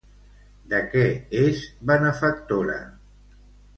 De què és benefactora?